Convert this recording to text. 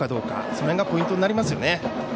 その辺がポイントになりますね。